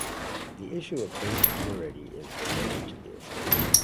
The issue of food security is related to this.